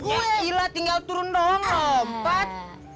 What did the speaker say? gila tinggal turun dong lompat